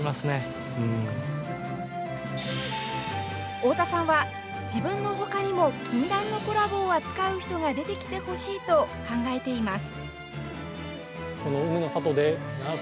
太田さんは自分のほかにも禁断のコラボを扱う人が出てきてほしいと考えています。